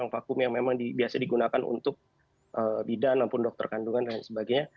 vakum yang memang biasa digunakan untuk bidan maupun dokter kandungan dan sebagainya